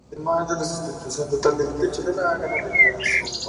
Además de la sustitución total del techo de la gradería de sombra.